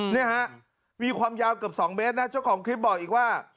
นี่ฮะมีความยาวเกือบ๒เมตรนะเจ้าของคลิปบอกอีกว่า